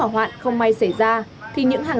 cho lập hàng rào trắng